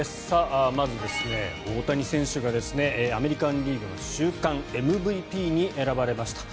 まず、大谷選手がアメリカンリーグの週間ＭＶＰに選ばれました。